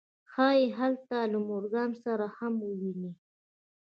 ښایي هلته له مورګان سره هم وویني